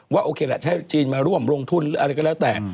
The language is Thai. ว่าโอเคแหละจะให้ชีนมาร่วมลงทุนอะไรก็แล้วแต่